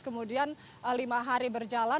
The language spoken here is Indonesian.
kemudian lima hari berjalan